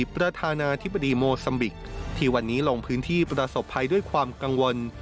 ประธานาธิบดีโมซัมบิกที่วันนี้ลงพื้นที่ประสบภัยด้วยความกังวล